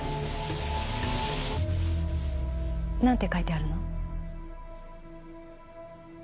何て書いてあるの？